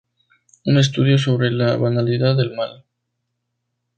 Un estudio sobre la banalidad del mal".